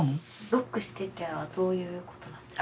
「ロックして」っていうのはどういうことなんですか？